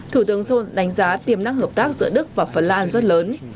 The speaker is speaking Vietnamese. thủ tướng sol đánh giá tiềm năng hợp tác giữa đức và phần lan rất lớn